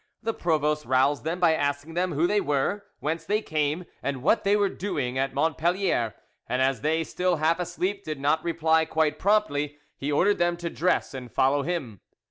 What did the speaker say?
The provost roused them by asking them who they were, whence they came, and what they were doing at Montpellier, and as they, still half asleep, did not reply quite promptly, he ordered them to dress and follow him.